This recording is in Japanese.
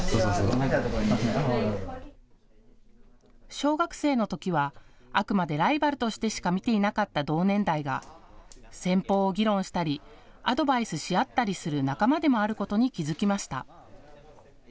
小学生のときはあくまでライバルとしてしか見ていなかった同年代が戦法を議論したりアドバイスし合ったりする仲間でもあることに気付きました。